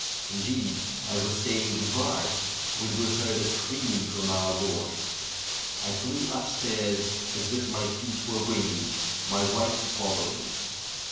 Indeed, I was saying good by, when we heard a scream from our boy. I flew upstairs as if my feet 162 THE BEND OF THE HILL were winged, my wife following.